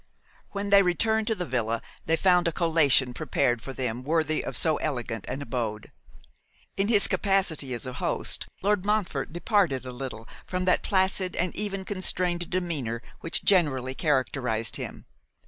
When they returned to the villa they found a collation prepared for them worthy of so elegant an abode. In his capacity of a host, Lord Montfort departed a little from that placid and even constrained demeanour which generally characterised him.